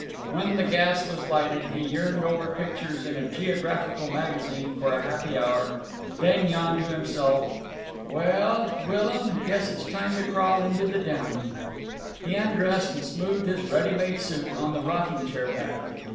When the gas was lighted he yearned over pictures in a geographical magazine for a happy hour, then yawned to himself, "Well l l, Willum, guess it's time to crawl into the downy." He undressed and smoothed his ready made suit on the rocking chair back.